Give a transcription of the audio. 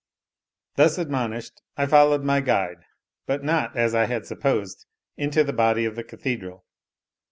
Thus admonished, I followed my guide, but not, as I had supposed, into the body of the cathedral.